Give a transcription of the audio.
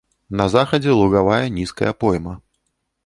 На захадзе лугавая нізкая пойма.